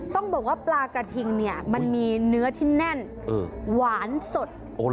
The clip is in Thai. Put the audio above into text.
ต้องบอกว่าปลากระทิงเนี่ยมันมีเนื้อที่แน่นหวานสด